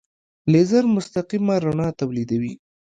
لیزر مستقیمه رڼا تولیدوي.